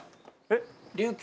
えっ？